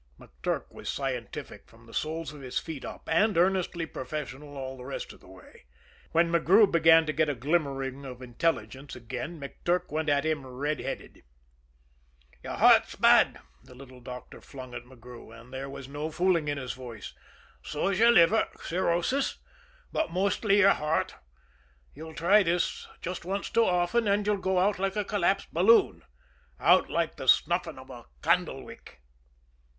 McTurk was scientific from the soles of his feet up, and earnestly professional all the rest of the way. When McGrew began to get a glimmering of intelligence again, McTurk went at him red headed. "Your heart's bad," the little doctor flung at McGrew, and there was no fooling in his voice. "So's your liver cirrhosis. But mostly your heart. You'll try this just once too often and you'll go out like a collapsed balloon, out like the snuffing of a candle wick."